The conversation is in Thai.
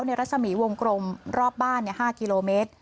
รัศมีวงกลมรอบบ้าน๕กิโลเมตร